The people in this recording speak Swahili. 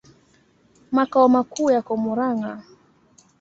Makao makuu yako Murang'a.